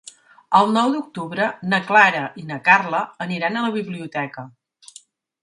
El nou d'octubre na Clara i na Carla aniran a la biblioteca.